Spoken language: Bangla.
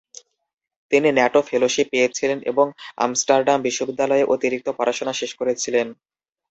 তিনি ন্যাটো ফেলোশিপ পেয়েছিলেন এবং আমস্টারডাম বিশ্ববিদ্যালয়ে অতিরিক্ত পড়াশোনা শেষ করেছিলেন।